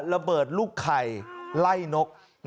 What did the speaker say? ระเบิดลูกไข่ไล่นก